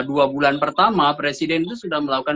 dua bulan pertama presiden itu sudah melakukan